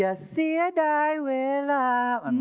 อย่าเสียดายเวลา